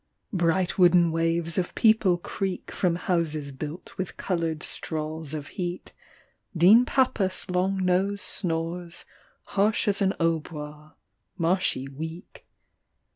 Bright wooden waves of people creak From houses built with coloured straws Of heat ; Dean Pappus' long nose snores Harsh as a hautbois, marshy weak.